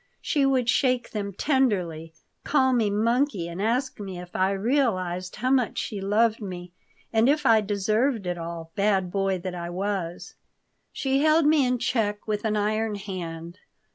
She would shake them tenderly, call me monkey, and ask me if I realized how much she loved me and if I deserved it all, bad boy that I was She held me in check with an iron hand.